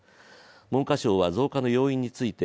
文科省は増加の要因について